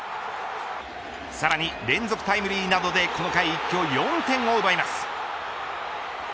さらに連続タイムリーなどでこの回一挙４点を奪います。